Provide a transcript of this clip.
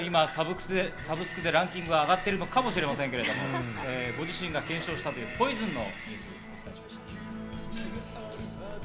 サブスクでランキング上がっているかもしれませんけど、ご自身が検証した『ＰＯＩＳＯＮ』のニュースをお伝えしました。